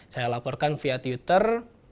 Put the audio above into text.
saya laporkan via twitter